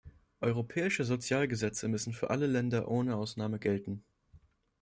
Europäische Sozialgesetze müssen für alle Länder ohne Ausnahme gelten.